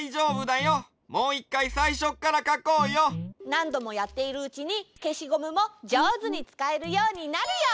なんどもやっているうちにけしゴムもじょうずにつかえるようになるよ！